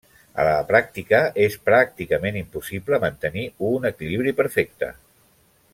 A la pràctica, és pràcticament impossible mantenir un equilibri perfecte.